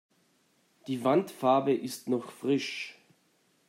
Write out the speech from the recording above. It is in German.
Die Wandfarbe ist noch frisch.